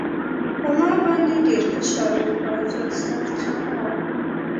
په ما باندې ډېر فشار و او زه سخت خپه وم